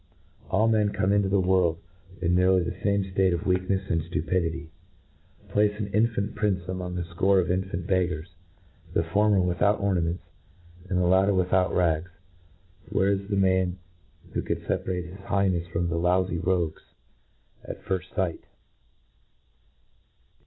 All men come into. the world in nearly the fame ftate of weaknefs and ftiipidity. Place an infant prince among a fcore of infant beggars, the former without ornaments, and the latter without rags, where is the man who could fepa rate his Highnefs from the loufy rogues at firft fight